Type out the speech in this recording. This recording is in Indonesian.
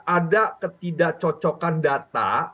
ada ketidakcocokan data